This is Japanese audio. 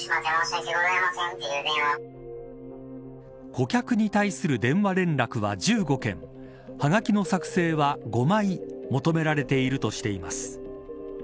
顧客に対する電話連絡は１５件はがきの作成は５枚求められているとしています。